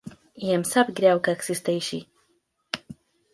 I em sap greu que existeixi.